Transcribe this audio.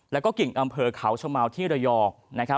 แล้วก็กิ่งอำเภอเขาชะเมาที่ระยอง